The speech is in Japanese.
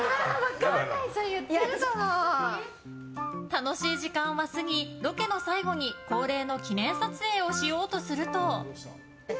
楽しい時間は過ぎロケの最後に恒例の記念撮影をしようとすると。